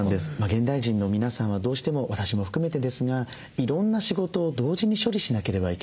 現代人の皆さんはどうしても私も含めてですがいろんな仕事を同時に処理しなければいけない。